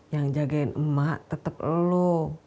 yang jagain emak tetap lo